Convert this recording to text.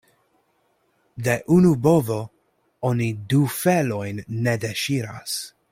De unu bovo oni du felojn ne deŝiras.